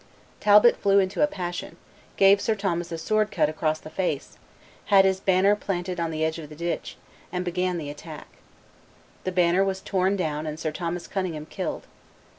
Talbot flew into a passion, gave Sir Thomas a sword cut across the face, had his banner planted on the edge of the ditch, and began the attack. The banner was torn down and Sir Thomas Cunningham killed.